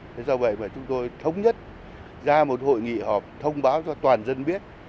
thế do vậy mà chúng tôi thống nhất ra một hội nghị họp thông báo cho toàn dân biết